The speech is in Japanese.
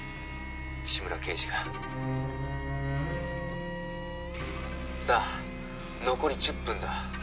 志村刑事がさあ残り１０分だ